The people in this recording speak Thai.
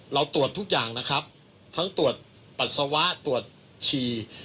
เราตรวจทุกอย่างนะครับทั้งตรวจปัสสาวะตรวจฉี่